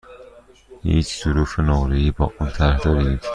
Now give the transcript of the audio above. هیچ ظروف نقره ای با آن طرح دارید؟